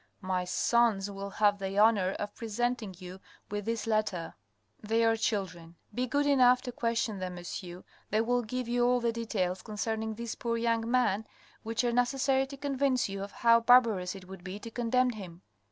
My sons will have the honour of presenting you with this letter, they are children. Be good enough to question them, monsieur, they will give you all the details concerning this poor young man which are necessary to convince you of how barbarous it would be to condemn him.